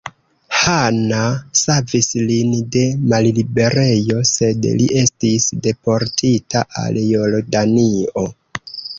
Hanna savis lin de malliberejo, sed li estis deportita al Jordanio.